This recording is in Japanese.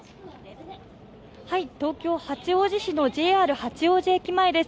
東京・八王子市のＪＲ八王子駅前です。